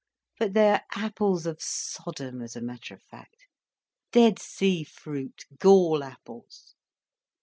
But they are apples of Sodom, as a matter of fact, Dead Sea Fruit, gall apples.